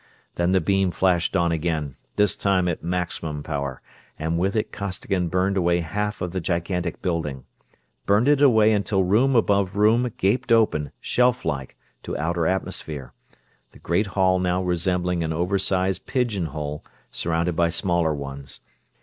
Then the beam flashed on again, this time at maximum power, and with it Costigan burned away half of the gigantic building. Burned it away until room above room gaped open, shelf like, to outer atmosphere; the great hall now resembling an over size pigeon hole surrounded by smaller ones.